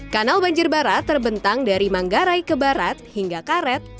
kanal banjir barat terbentang dari manggarai ke barat hingga karet